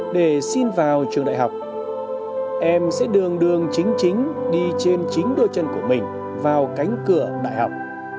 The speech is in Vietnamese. để xin vào trường đại học em sẽ đường đường chính chính đi trên chính đôi chân của mình vào cánh cửa đại học